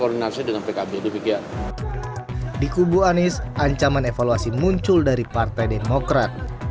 di kubu anies ancaman evaluasi muncul dari partai demokrat